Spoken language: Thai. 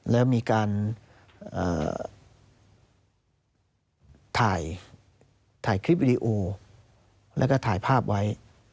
แล้วมีการถ่ายคลิปวิดีโอแล้วก็ถ่ายภาพไว้